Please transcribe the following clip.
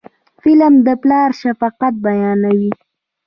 فلم د پلار شفقت بیانوي